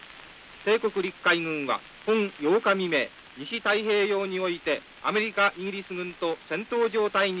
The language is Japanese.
帝国陸海軍は本８日未明西太平洋においてアメリカイギリス軍と戦闘状態に入れり」。